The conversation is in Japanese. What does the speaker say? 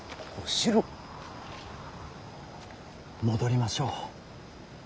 戻りましょう。